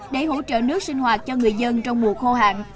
để hỗ trợ nước sinh hoạt cho người dân trong mùa khô hạn